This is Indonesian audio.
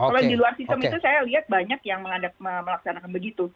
kalau di luar sistem itu saya lihat banyak yang melaksanakan begitu